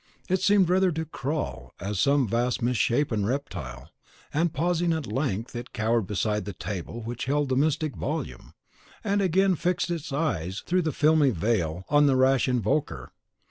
It seemed rather to crawl as some vast misshapen reptile; and pausing, at length it cowered beside the table which held the mystic volume, and again fixed its eyes through the filmy veil on the rash invoker.